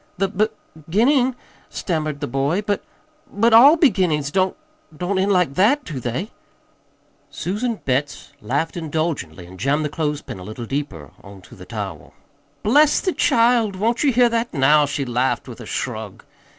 "The b beginning?" stammered the boy. "But but ALL beginnings don't don't end like that, do they?" Susan Betts laughed indulgently and jammed the clothespin a little deeper on to the towel. "Bless the child! Won't ye hear that, now?" she laughed with a shrug.